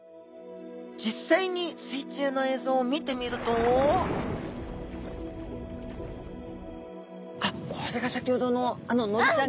実際に水中の映像を見てみるとあっこれが先ほどのあののりちゃんだ。